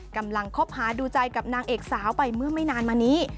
คบหาดูใจกับนางเอกสาวไปเมื่อไม่นานมานี้